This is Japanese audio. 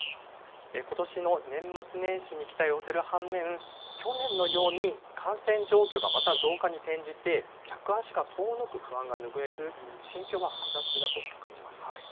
ことしの年末年始に期待を寄せる反面、去年のように、感染状況がまた増加に転じて客足が遠のく不安が拭えず、心境は複雑だと感じました。